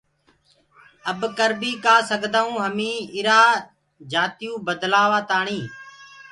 اب ڪر بيٚ ڪآ سگدآئونٚ هميٚنٚ ايٚرآ جاتيٚئو بدلآوآتآڻيٚ